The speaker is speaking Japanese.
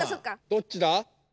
どっちだ？